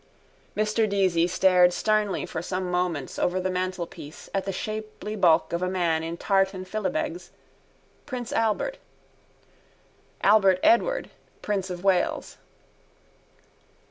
Mr Deasy stared sternly for some moments over the mantelpiece at the shapely bulk of a man in tartan fillibegs: Albert Edward, prince of Wales.